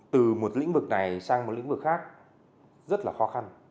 từ một lĩnh vực này sang một lĩnh vực khác rất là khó khăn